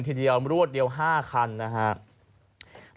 ทีเดียวรวดเดียว๕คันนะครับ